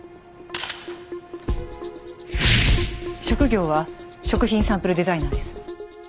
職業は食品サンプルデザイナーです。